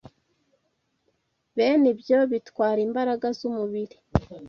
Bene ibyo bitwara imbaraga z’umubiri